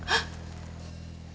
untuk madu piling